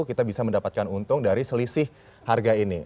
kita bisa mendapatkan untung dari selisih harga ini